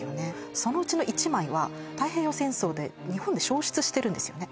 そのうちの１枚は太平洋戦争で日本で焼失してるんですよね